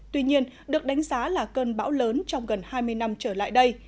tuy nhiên được đánh giá là cơn bão lớn trong gần hai mươi năm trở lại đây